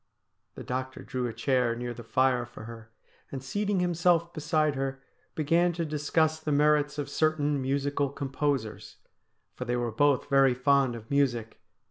The doctor drew a chair near the fire for her, and, seating himself beside her, began to discuss the merits of certain musical composers, for they were both very fond of music.